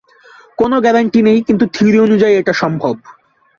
কোন গ্যারান্টি নেই, কিন্তু থিওরি অনুযায়ী এটা সম্ভব।